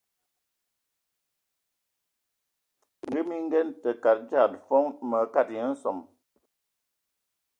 Ngə mi ngənan tə kad ndian fon, mə katəya nsom.